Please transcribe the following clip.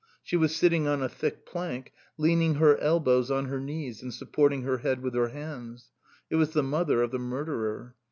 She was sitting on a thick plank, leaning her elbows on her knees and supporting her head with her hands. It was the mother of the murderer.